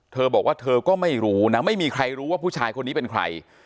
เธอบอกว่าเธอก็ไม่รู้นะไม่มีใครรู้ว่าผู้ชายคนนี้เป็นใคร